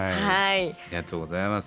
ありがとうございます。